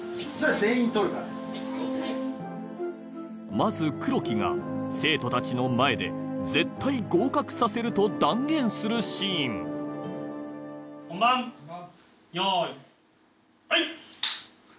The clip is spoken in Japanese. まず黒木が生徒たちの前で絶対合格させると断言するシーン・本番よいはい！